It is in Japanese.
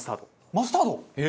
マスタード？